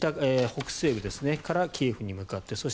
北西部からキエフに向かって。